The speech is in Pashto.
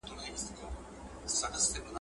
پرمختيايي پلانونو په ملي عايد کي زياتوالی راوست.